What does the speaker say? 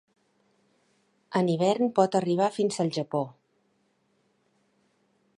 En hivern pot arribar fins al Japó.